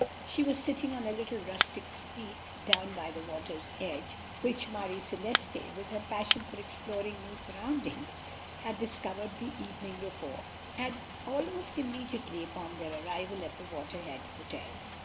She was sitting on a little rustic seat down by the water's edge, which Marie Celeste, with her passion for exploring new surroundings, had discovered the evening before, almost immediately upon their arrival at the Waterhead Hotel.